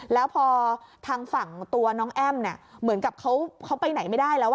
แล้วพอทางฝั่งตัวน้องแอ้มเนี่ยเหมือนกับเขาไปไหนไม่ได้แล้ว